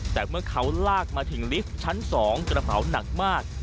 แต่เมื่อเขาลากมาถึงลิฟท์ชั้น๒กระเป๋าหนักมาก